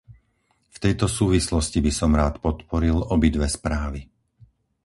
V tejto súvislosti by som rád podporil obidve správy.